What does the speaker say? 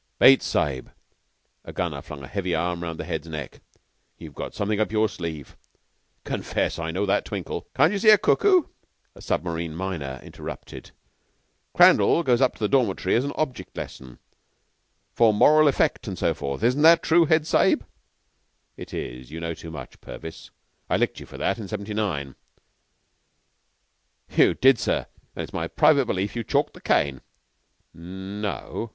"Bates Sahib " a Gunner flung a heavy arm round the Head's neck "you've got something up your sleeve. Confess! I know that twinkle." "Can't you see, you cuckoo?" a Submarine Miner interrupted. "Crandall goes up to the dormitory as an object lesson, for moral effect and so forth. Isn't that true, Head Sahib?" "It is. You know too much, Purvis. I licked you for that in '79." "You did, sir, and it's my private belief you chalked the cane." "N no.